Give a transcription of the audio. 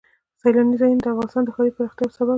سیلاني ځایونه د افغانستان د ښاري پراختیا یو سبب دی.